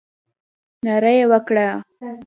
ناره یې وکړه.